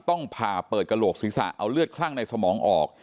ต้องผ่าเปิดกระโหลกศีรษะเอาเลือดคลั่งในสมองออก